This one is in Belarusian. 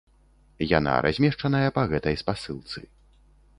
Яна размешчаная па гэтай спасылцы.